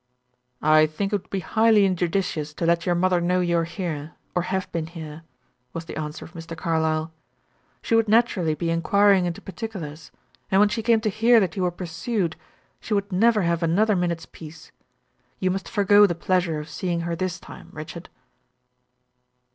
"I think it would be highly injudicious to let your mother know you are here, or have been here," was the answer of Mr. Carlyle. "She would naturally be inquiring into particulars, and when she came to hear that you were pursued, she would never have another minute's peace. You must forego the pleasure of seeing her this time, Richard."